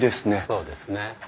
そうですね。